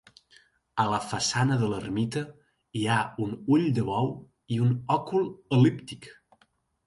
A la façana de l'ermita hi ha un ull de bou i un òcul el·líptic.